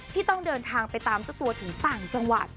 ที่ต้องเดินทางไปตามเจ้าตัวถึงต่างจังหวัด